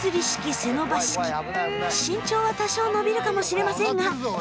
身長は多少伸びるかもしれませんが首が心配！